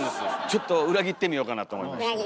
ちょっと裏切ってみようかなと思いまして。